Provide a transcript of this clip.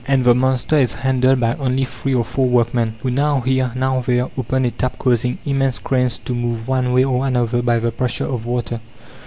And the monster is handled by only three or four workmen, who now here, now there, open a tap causing immense cranes to move one way or another by the pressure of water.